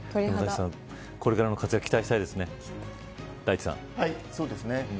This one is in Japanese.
これからの活躍期待したいですね。